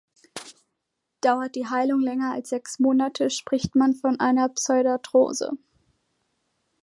Dauert die Heilung länger als sechs Monate, spricht man von einer Pseudarthrose.